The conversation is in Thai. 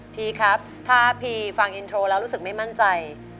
พี่ครับถ้าพี่ฟังอินโทรแล้วรู้สึกไม่มั่นใจ